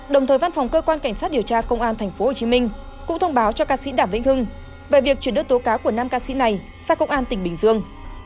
đồng thời văn phòng cơ quan cảnh sát điều tra công an tp hcm cũng thông báo cho ca sĩ đảm vĩnh hưng về việc chuyển đưa tố cáo của năm ca sĩ này xác công an tp hcm